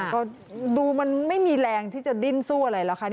ก็ดูมันไม่มีแรงที่จะดิ้นสู้อะไรหรอกคะ